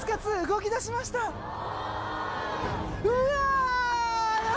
うわ！